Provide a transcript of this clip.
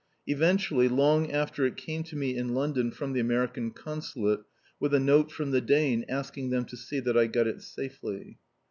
Eventually, long after it came to me in London from the American Consulate, with a note from the Dane asking them to see that I got it safely.